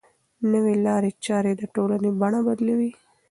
نوې لارې چارې د ټولنې بڼه بدلوي.